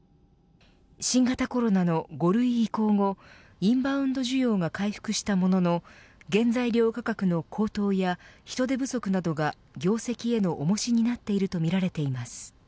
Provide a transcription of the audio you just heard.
新型コロナの５類移行後インバウンド需要が回復したものの原材料価格の高騰や人手不足などが業績への重しになっているとみられています。